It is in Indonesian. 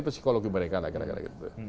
itu psikologi mereka lah kira kira gitu